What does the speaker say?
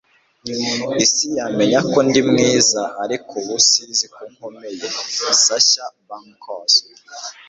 isi yamenya ko ndi mwiza, ariko ubu isi izi ko nkomeye. - sasha banks